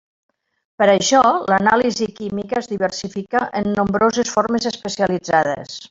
Per això, l'anàlisi química es diversifica en nombroses formes especialitzades.